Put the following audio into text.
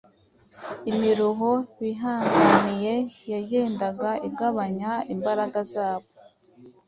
Imiruho bihanganiye yagendaga igabanya imbaraga zabo.